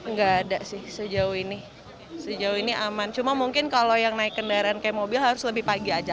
nggak ada sih sejauh ini sejauh ini aman cuma mungkin kalau yang naik kendaraan kayak mobil harus lebih pagi aja